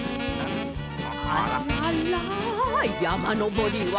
あららやまのぼりは？